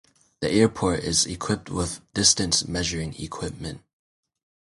The airport is equipped with the distance measuring equipment.